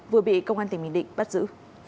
vừa bị công an tỉnh bình định bắt giữ